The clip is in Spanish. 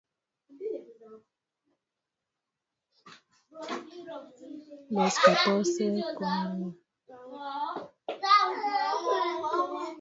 Los catorce equipos compitieron en un grupo único, todos contra todos a visita recíproca.